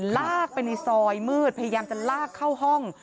ลากไปในซอยมืดพยายามจะลากเข้าห้อง